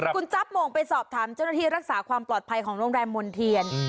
คุณจั๊บโมงไปสอบถามเจ้าหน้าที่รักษาความปลอดภัยของโรงแรมมนเทียน